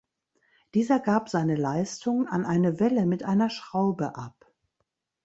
Dieser gab seine Leistung an eine Welle mit einer Schraube ab.